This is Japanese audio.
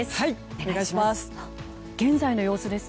お願いします。